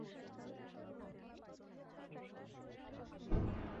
না, তোমার জন্য একটা কাজ আছে।